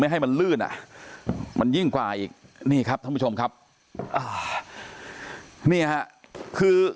ให้มันลื่นอ่ะมันยิ่งกว่าอีกนี่ครับท่านผู้ชมครับอ่านี่ฮะคือ